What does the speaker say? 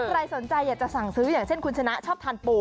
ใครสนใจอยากจะสั่งซื้ออย่างเช่นคุณชนะชอบทานปู